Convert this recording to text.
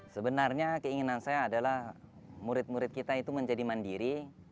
sebenarnya keinginan saya adalah murid murid kita itu menjadi mandiri